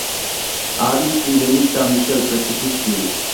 არის სტივენის და მიშელ პეტისის შვილი.